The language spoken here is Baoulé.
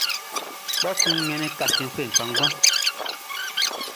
Kpɛkun n ɲannin kasiɛnfuɛ kpanngban.